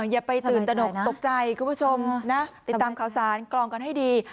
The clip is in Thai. อย่าไปตื่นตนกตกใจคุณผู้ชมนะติดตามข่าวสารกรองกันให้ดี